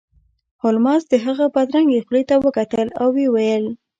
هولمز د هغه بدرنګې خولې ته وکتل او ویې ویل